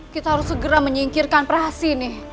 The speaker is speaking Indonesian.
kita harus segera menyingkirkan perahas ini